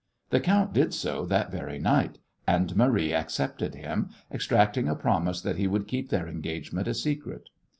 The count did so that very night, and Marie accepted him, extracting a promise that he would keep their engagement a secret.